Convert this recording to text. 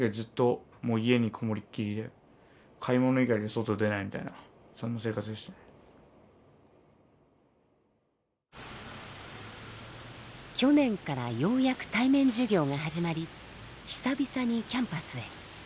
話すというのも去年からようやく対面授業が始まり久々にキャンパスへ。